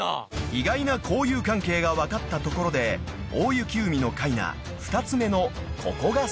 ［意外な交友関係が分かったところで『大雪海のカイナ』２つ目のココがすごい］